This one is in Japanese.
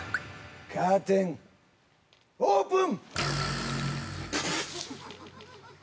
◆カーテン、オープン！